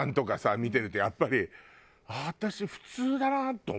見てるとやっぱり私普通だなと思う。